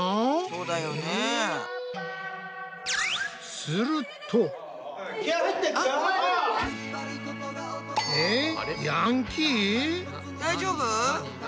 そうだよね。えっ！？大丈夫？